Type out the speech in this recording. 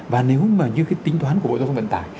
và nếu mà như cái tính toán của bộ giáo thân vận tải